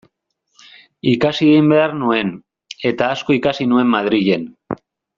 Ikasi egin behar nuen, eta asko ikasi nuen Madrilen.